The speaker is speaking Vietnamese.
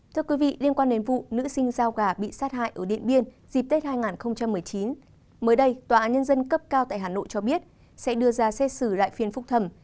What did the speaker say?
thưa quý vị liên quan đến vụ nữ sinh giao gà bị sát hại ở điện biên dịp tết hai nghìn một mươi chín mới đây tòa án nhân dân cấp cao tại hà nội cho biết sẽ đưa ra xét xử lại phiên phúc thẩm